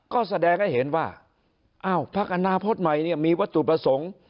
ก็แสดงให้เห็นว่าอ้าวพักอนาคตใหม่มีวัตถุประสงค์